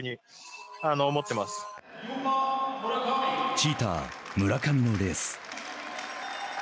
チーター・村上のレース。